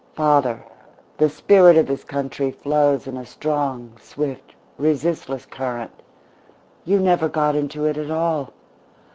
Father, the spirit of this country flows in a strong, swift, resistless current. You never got into it at all.